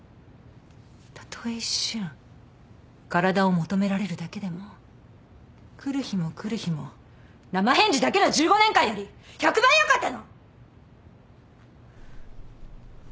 たとえ一瞬体を求められるだけでも来る日も来る日も生返事だけの１５年間より１００倍よかったの！